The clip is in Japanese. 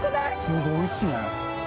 すごいっすね